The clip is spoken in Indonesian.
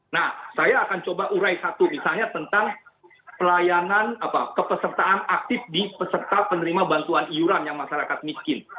nah saya akan coba urai satu misalnya tentang pelayanan kepesertaan aktif di peserta penerima bantuan iuran yang masyarakat miskin